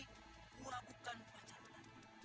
gua bukan pacaran lo